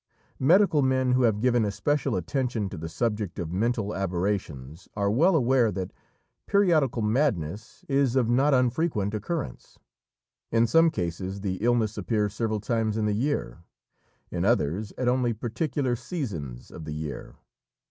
Medical men who have given especial attention to the subject of mental aberrations are well aware that periodical madness is of not unfrequent occurrence. In some cases the illness appears several times in the year, in others at only particular seasons of the year.